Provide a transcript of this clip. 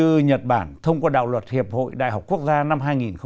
từ nhật bản thông qua đạo luật hiệp hội đại học quốc gia năm hai nghìn ba